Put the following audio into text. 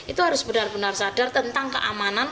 itu harus benar benar sadar tentang keamanan